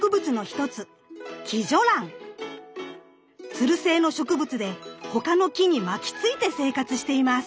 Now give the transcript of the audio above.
つる性の植物で他の木に巻きついて生活しています。